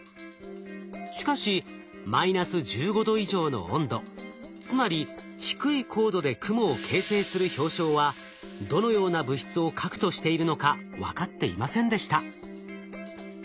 しかしマイナス１５℃以上の温度つまり低い高度で雲を形成する氷晶はどのような物質を核としているのか分かっていませんでした。